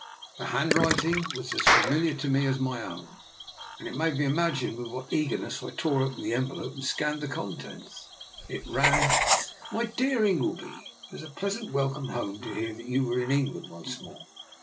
The handwriting DR. NIKOLA'S EXPERIMENT. 35 'was as familiar to me as my own, and it may be imagined with what eagerness I tore open the envelope and scanned the contents. It ran: —" My dear Ingleby: It was a pleasant welcome home to hear that you were in Eng land once more.